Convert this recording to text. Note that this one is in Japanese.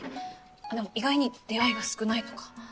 でも意外に出会いが少ないとか？